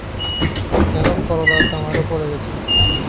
কেন করলার দাম আরও পড়ে গেছে?